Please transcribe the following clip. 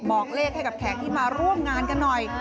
บอกเลขให้กับแขกที่มาร่วมงานกันหน่อย